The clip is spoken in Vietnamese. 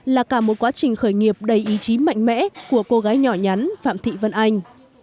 là cả một quá trình khởi nghiệp đầy ý chí mạnh mẽ của cô gái nhỏ nhắn phạm thị vân anh